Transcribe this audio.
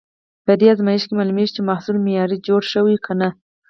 په دې ازمېښت کې معلومېږي، چې محصول معیاري جوړ شوی که نه.